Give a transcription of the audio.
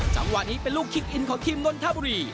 จังหวะนี้เป็นลูกคิกอินของทีมนนทบุรี